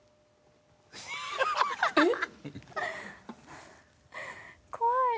えっ！？